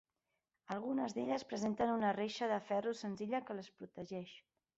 Algunes d’elles presenten una reixa de ferro senzilla que les protegeix.